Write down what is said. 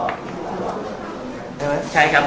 สวัสดีครับ